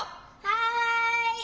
はい！